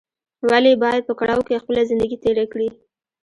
ولې باید په کړاوو کې خپله زندګي تېره کړې